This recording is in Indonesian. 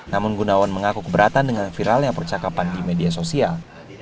namun gunawan mengaku keberatan dengan viralnya percakapan di media sosial